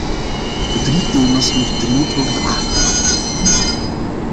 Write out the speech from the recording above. Die drie thema's moeten dringend worden aangepakt.